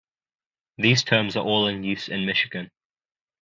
These terms are all in use in Michigan.